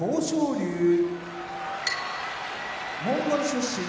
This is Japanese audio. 龍モンゴル出身